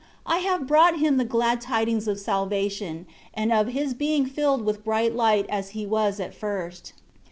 I have brought him the glad tidings of salvation, and of his being filled with bright light as he was at first.